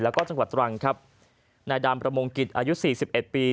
แล้วก็จังหวัดตรังครับนายดามประมงกิจอายุสี่สิบเอ็ดปี